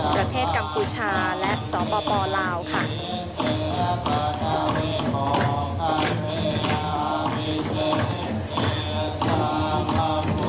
ประเทศกัมพุชา